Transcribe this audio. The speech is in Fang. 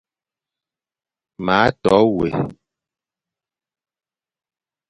Ma to wé,